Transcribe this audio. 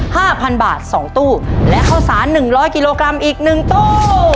๑ตู้๕๐๐๐บาท๒ตู้และข้าวสาร๑๐๐กิโลกรัมอีก๑ตู้